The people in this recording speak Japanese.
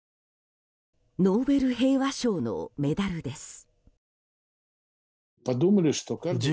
ノーベル平和賞のメダルです。